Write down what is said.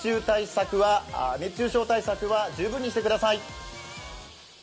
熱中症対策は十分にしてください。